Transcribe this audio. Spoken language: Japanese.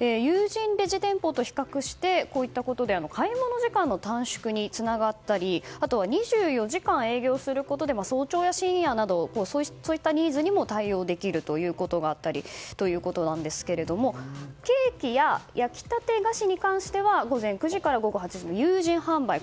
有人レジ店舗と比較してこういったことで買い物時間の短縮につながったりあとは２４時間営業することで早朝や深夜などそういったニーズにも対応できるということがあったりということなんですがケーキや焼き立て菓子に関しては午前９時から午後８時の有人販売